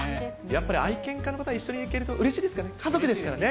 やっぱり愛犬家の方、一緒に行けると、うれしいですかね。